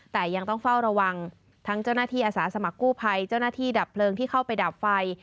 แต่ยังต้องเฝ้าระวังทั้งเจ้าหน้าที่อาสาสมัครกู้ภัยเจ้าหน้าที่ดับเพลิงที่เข้าไปดับไฟ